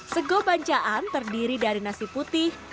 sego bancaan terdiri dari nasi putih